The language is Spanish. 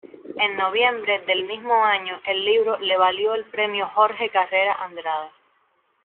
En noviembre del mismo año el libro le valió el Premio Jorge Carrera Andrade.